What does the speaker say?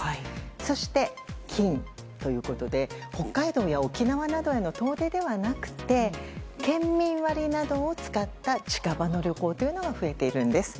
そして、近ということで北海道や沖縄などへの遠出ではなくて県民割などを使った近場の旅行というのが増えているんです。